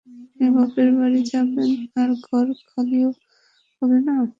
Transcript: আপনি বাপের বাড়িও যাবেন আর ঘর খালিও হবে না।